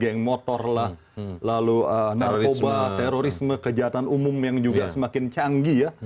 geng motor lah lalu narkoba terorisme kejahatan umum yang juga semakin canggih ya